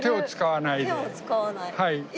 はい。